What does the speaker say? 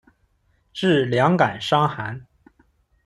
治两感伤寒。